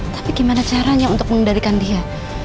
tapi gimana caranya untuk mengendalikan dia